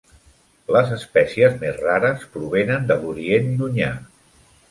Les espècies més rares provenen de l'Orient Llunyà.